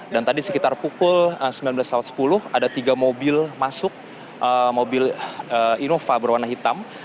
dan tadi sekitar pukul sembilan belas sepuluh ada tiga mobil masuk mobil innova berwarna hitam